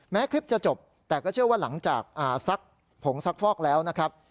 คลิปจะจบแต่ก็เชื่อว่าหลังจากซักผงซักฟอกแล้วนะครับ